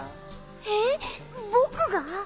えっぼくが？